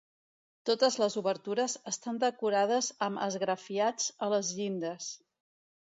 Totes les obertures estan decorades amb esgrafiats a les llindes.